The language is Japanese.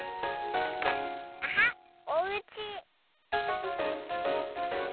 アハッおうち。